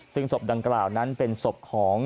ซึ่งศพดังกล่าวนั้นเป็นศพของ